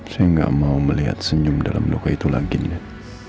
saya nggak mau melihat senyum dalam luka itu lagi niat